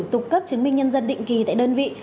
tục cấp chứng minh nhân dân định kỳ tại đơn vị